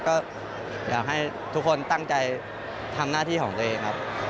ก็อยากให้ทุกคนตั้งใจทำหน้าที่ของตัวเองครับ